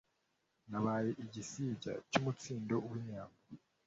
Nabaye igisibya cy' umutsindo w,inyambo